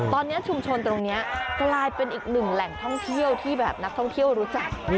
ตอนนี้ชุมชนตรงนี้กลายเป็นอีกหนึ่งแหล่งท่องเที่ยวที่แบบนักท่องเที่ยวรู้จัก